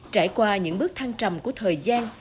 trải qua những bước thăng trầm của thời gian